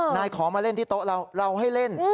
นายขอมาเล่นที่โต๊ะเราเราให้เล่น